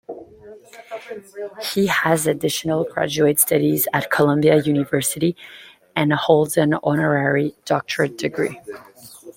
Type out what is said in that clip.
He has additional graduate studies at Columbia University and holds an honorary doctorate degree.